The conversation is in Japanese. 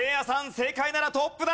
正解ならトップだ。